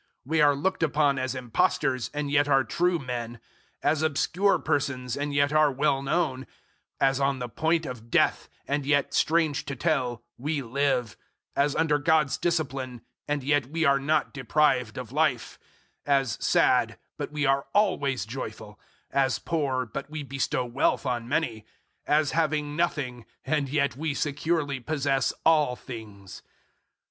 We are looked upon as impostors and yet are true men; 006:009 as obscure persons, and yet are well known; as on the point of death, and yet, strange to tell, we live; as under God's discipline, and yet we are not deprived of life; 006:010 as sad, but we are always joyful; as poor, but we bestow wealth on many; as having nothing, and yet we securely possess all things.